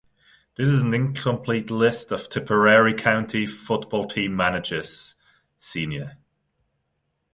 This is an incomplete list of Tipperary county football team managers (senior).